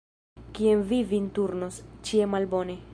Kien vi vin turnos, ĉie malbone.